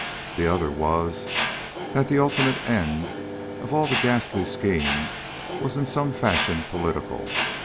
The other was that the ultimate end of all the ghastly scheme was in some fashion political.